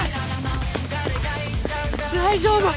大丈夫！